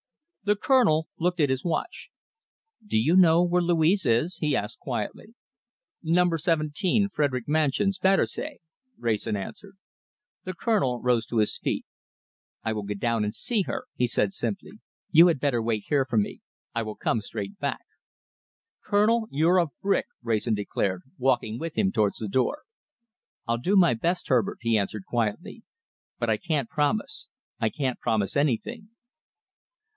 The Colonel looked at his watch. "Do you know where Louise is?" he asked quietly. "Number 17, Frederic Mansions, Battersea," Wrayson answered. The Colonel rose to his feet. "I will go down and see her," he said simply. "You had better wait here for me. I will come straight back." "Colonel, you're a brick," Wrayson declared, walking with him towards the door. "I'll do my best, Herbert," he answered quietly, "but I can't promise. I can't promise anything."